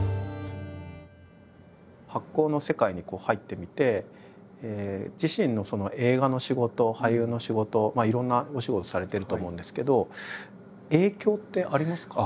発酵の世界に入ってみて自身の映画の仕事俳優の仕事いろんなお仕事されてると思うんですけど影響ってありますか？